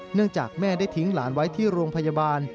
เนื่องจากแม่ได้ทิ้งหลานไว้ที่โรงพยาบาล